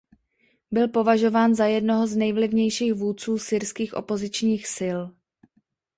Byl považován za jednoho z nejvlivnějších vůdců syrských opozičních sil.